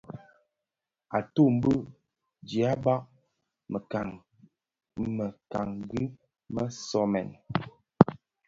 Atum bi dyaba mëkangi më somèn.